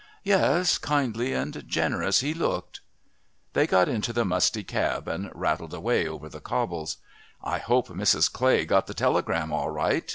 Yes, kindly and generous he looked.... They got into the musty cab and rattled away over the cobbles. "I hope Mrs. Clay got the telegram all right."